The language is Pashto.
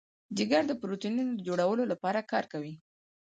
جگر د پروټینونو د جوړولو لپاره کار کوي.